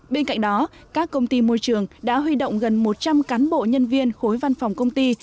bên cạnh đó các công ty môi trường đã huy động gần một trăm linh cán bộ nhân viên khối văn phòng công ty